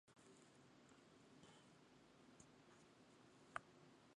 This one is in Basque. Hiru pertsona atxilotu dituzte, tartean elkarteko presidentea.